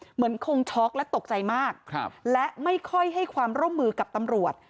เหมือนคงช็อกและตกใจมากและไม่ค่อยให้ความร่วมมือกับตำรวจ